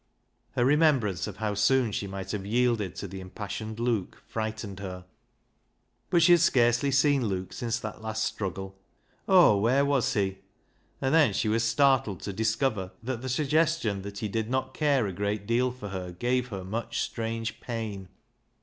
Her remembrance of how soon she might have yielded to the im passioned Luke frightened her. But she had scarcely seen Luke since that last struggle. Oh, where was he ! And then she was startled to discover that the suggestion that he did not care a great deal for her gave her much strange pain.